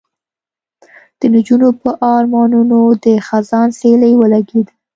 د نجونو په ارمانونو د خزان سیلۍ ولګېده